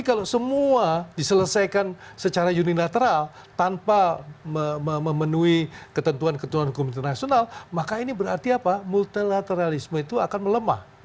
kalau semua diselesaikan secara unilateral tanpa memenuhi ketentuan ketentuan hukum internasional maka ini berarti apa multilateralisme itu akan melemah